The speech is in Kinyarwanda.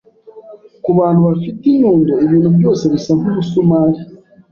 Kubantu bafite inyundo, ibintu byose bisa nkumusumari.